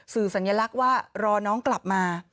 สัญลักษณ์ว่ารอน้องกลับมา